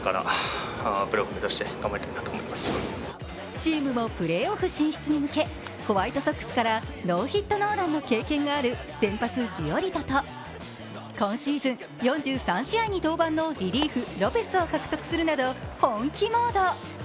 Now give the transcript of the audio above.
チームもプレーオフ進出に向けホワイトソックスからノーヒットノーランの経験がある先発・ジオリトと今シーズン４３試合に登板のリリーフ・ロペスを獲得するなど本気モード。